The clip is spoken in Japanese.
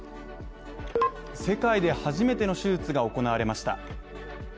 世界で初めての手術が行われました。